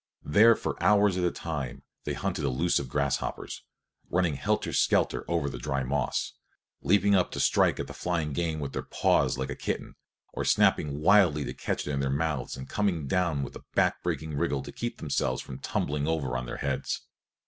There for hours at a time they hunted elusive grasshoppers, rushing helter skelter over the dry moss, leaping up to strike at the flying game with their paws like a kitten, or snapping wildly to catch it in their mouths and coming down with a back breaking wriggle to keep themselves from tumbling over on their heads.